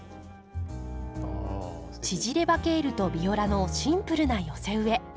縮れ葉ケールとビオラのシンプルな寄せ植え。